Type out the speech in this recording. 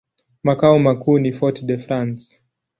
Makao makuu ni Fort-de-France.